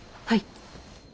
はい。